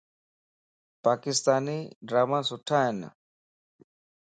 پاڪستاني ڊراما سُٺا ائين